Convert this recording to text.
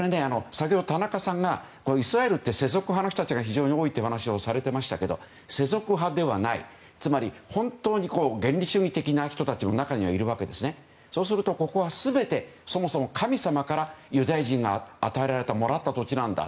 先ほど田中さんがイスラエルは世俗派の人たちが非常に多いって話をされてましたけど世俗派ではない、本当に原理主義的な人もいるんです。ということはそもそも神様からユダヤ人が与えられてもらった土地なんだ。